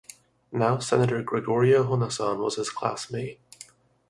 Now-senator Gregorio Honasan was his classmate.